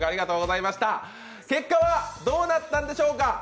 結果はどうなったんでしょうか。